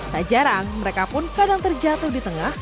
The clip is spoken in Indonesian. tak jarang mereka pun kadang terjatuh di tengah